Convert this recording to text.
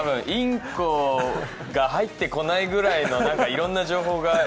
インコが入ってこないぐらいのいろんな情報が。